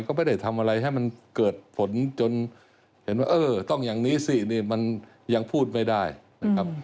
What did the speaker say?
ก็ไม่ได้ทำอะไรให้มันเกิดผลจนเห็นว่าเออต้องอย่างนี้สินี่มันยังพูดไม่ได้นะครับ